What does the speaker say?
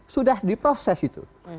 sudah diproses itu